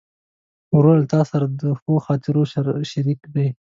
ورور له تا سره د ښو خاطرو شریک دی.